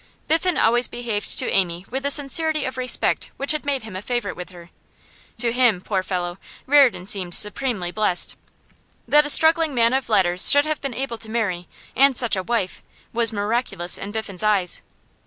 Biffen always behaved to Amy with a sincerity of respect which had made him a favourite with her. To him, poor fellow, Reardon seemed supremely blessed. That a struggling man of letters should have been able to marry, and such a wife, was miraculous in Biffen's eyes.